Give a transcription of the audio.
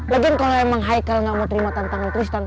lagi kalau emang haikal gak mau terima tantangan tristan